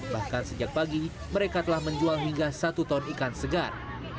bahkan sejak pagi mereka telah menjual hingga satu ton ikan segar